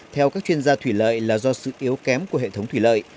theo các chuyên gia thủy lợi là do sự yếu kém của hệ thống thủy lợi